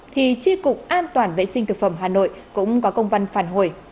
thì tri cục an toàn vệ sinh thực phẩm hà nội cũng có công văn phản hồi